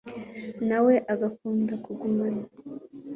na we agakunda kugumana